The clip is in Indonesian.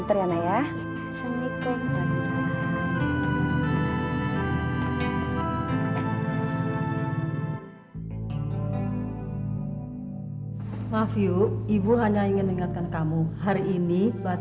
terus pulangnya gimana